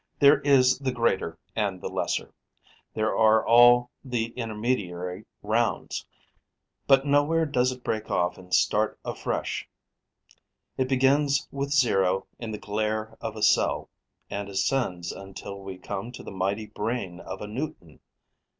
There is the greater and the lesser; there are all the intermediary rounds; but nowhere does it break off and start afresh. It begins with zero in the glair of a cell and ascends until we come to the mighty brain of a Newton.